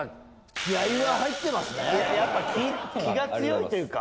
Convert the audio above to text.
やっぱ気が強いというか。